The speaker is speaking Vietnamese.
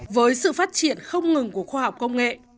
với sự phát triển không ngừng của khoa học công nghệ